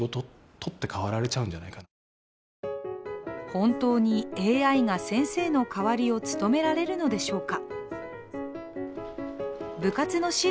本当にＡＩが先生の代わりを務められるのでしょうか。